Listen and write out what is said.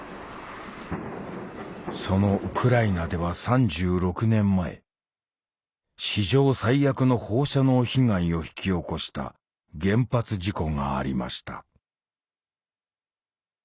そのウクライナでは３６年前史上最悪の放射能被害を引き起こした原発事故がありました